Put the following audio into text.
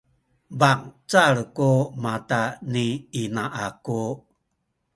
bangcal ku mata ni ina aku